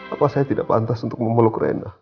apa saya tidak pantas untuk memeluk rena